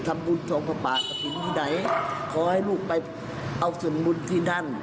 ทำบุญชมภาพากับผิงที่ไหนขอให้ลูกไปเอาส่วนบุญที่นั่น